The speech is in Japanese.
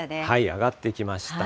上がってきました。